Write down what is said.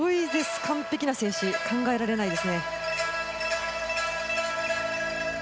完璧な静止、考えられないです。